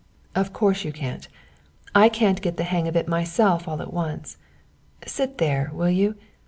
"Of course you can't, I can't get the hang of it myself all at once. Sit there, will you?